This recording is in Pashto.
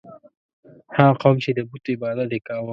هغه قوم چې د بت عبادت یې کاوه.